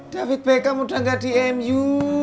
david beckham udah gak di mu